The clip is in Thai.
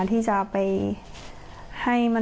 ที่จะไปให้